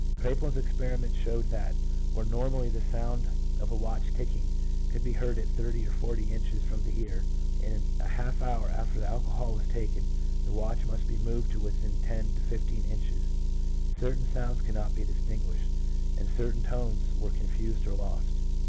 Kraepelin's experiments showed that where normally the sound of a watch ticking could be heard at thirty or forty inches from the ear, in a half hour after alcohol was taken the watch must be moved to within ten to fifteen inches. Certain sounds could not be distinguished, and certain tones were confused or lost.